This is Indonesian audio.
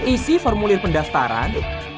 isi formulir pendaftaran